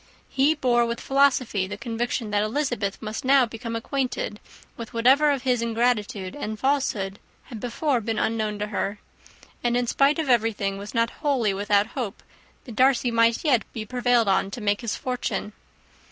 He bore with philosophy the conviction that Elizabeth must now become acquainted with whatever of his ingratitude and falsehood had before been unknown to her; and, in spite of everything, was not wholly without hope that Darcy might yet be prevailed on to make his fortune.